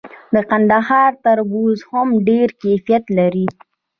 د کندهار تربوز هم ډیر کیفیت لري.